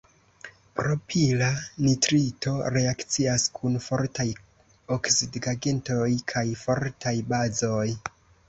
Propila nitrito reakcias kun fortaj oksidigagentoj kaj fortaj bazoj.